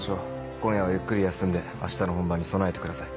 今夜はゆっくり休んであしたの本番に備えてください。